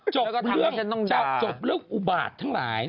จบเรื่องอุบาททั้งหลาย